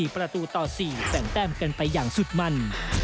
ประตูต่อ๔แสนแต้มกันไปอย่างสุดมัน